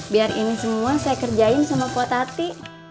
biar ini semua saya kerjain sama kuat hati